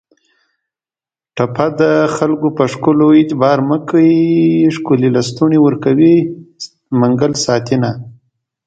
ټپه ده: خکلو په ښکلو اعتبار مه کوی ښکلي لستوڼي ورکوي منګل ساتینه